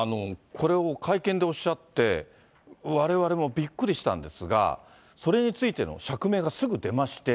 これを会見でおっしゃって、われわれもびっくりしたんですが、それについての釈明がすぐ出まして。